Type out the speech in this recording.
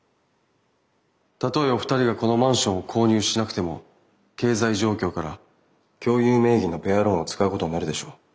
たとえお二人がこのマンションを購入しなくても経済状況から共有名義のペアローンを使うことになるでしょう。